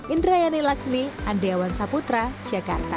indra yani laksmi andiawan saputra jakarta